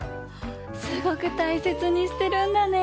すごくたいせつにしてるんだね！